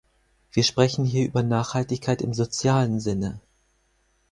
Wir sprechen hier über Nachhaltigkeit im sozialen Sinne.